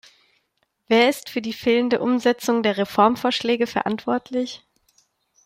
Wer ist für die fehlende Umsetzung der Reformvorschläge verantwortlich?